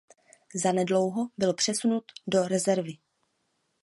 Zanedlouho byl přesunut do rezervy.